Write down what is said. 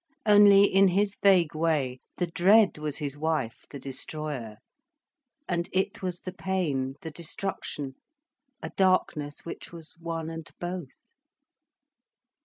Only, in his vague way, the dread was his wife, the destroyer, and it was the pain, the destruction, a darkness which was one and both.